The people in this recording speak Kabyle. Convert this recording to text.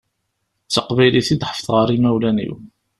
D taqbaylit i d-ḥefḍeɣ ar imawlan-iw.